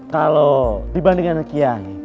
kalau dibandingkan kiai